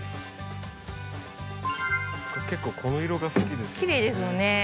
結構この色が好きですね。